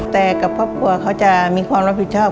แต่กับครอบครัวเขาจะมีความรับผิดชอบ